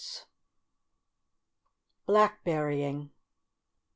BLACKBERRYING.